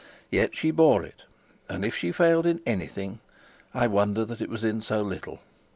Yet she bore it, and if she failed in anything, I wonder that it was in so little.